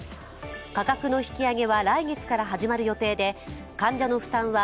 価格の引き上げは来月から始まる予定で患者の負担は